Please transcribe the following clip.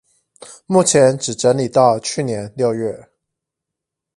目前只整理到去年六月